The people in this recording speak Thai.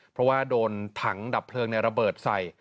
เพราะว่าโดนถังดับเพลิงในระเบิดใส่